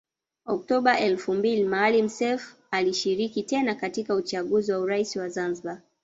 Oktoba elfu mbili Maalim Seif alishiriki tena katika uchaguzi wa urais wa Zanzibari